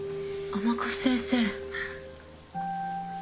甘春先生。